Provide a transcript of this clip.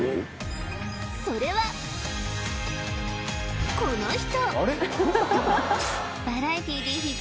それはこの人！